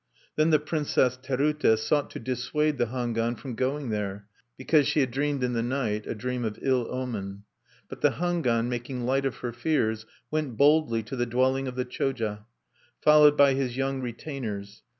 Then the Princess Terute sought to dissuade the Hangwan from going there, because she had dreamed in the night a dream of ill omen. But the Hangwan, making light of her fears, went boldly to the dwelling of the Choja, followed by his young retainers.